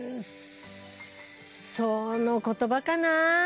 その言葉かな